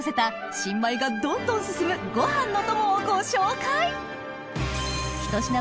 新米がどんどん進むご飯の友をご紹介